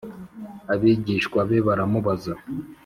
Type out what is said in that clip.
Abigishwa be baramubaza